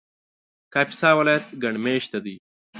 کاپیسا ولایت ګڼ مېشته دی